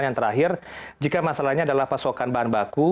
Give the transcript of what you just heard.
yang terakhir jika masalahnya adalah pasokan bahan baku